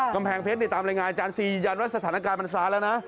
กำแพงเพชรตามรายงานอาจารย์ซียันว่าสถานการณ์มันซาแล้วนะ